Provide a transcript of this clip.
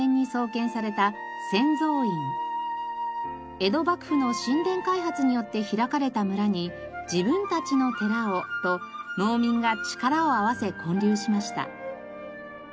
江戸幕府の新田開発によって開かれた村に自分たちの寺をと農民が力を合わせ建立しました。